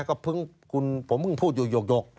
แต่ผมเพิ่งอยู่ยก